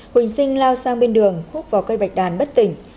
huỳnh sinh lao sang bên đường khúc vào cây bạch đàn bất tỉnh